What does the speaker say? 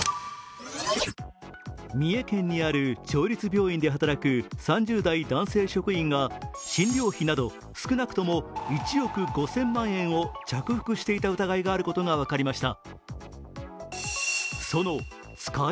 三重県にある町立病院で働く３０代男性職員が診療費など少なくとも１億５０００万円を着服していた疑いがあることが分かりました。